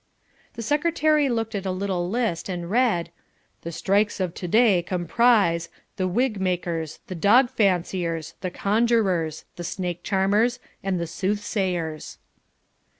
The Secretary looked at a little list and read: "The strikes of to day comprise the wig makers, the dog fanciers, the conjurers, the snake charmers, and the soothsayers."